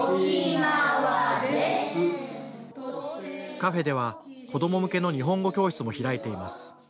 カフェでは、子ども向けの日本語教室も開いています。